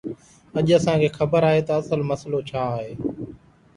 اڄ جيڪڏهن اسان کي خبر آهي ته اصل مسئلو ڇا آهي.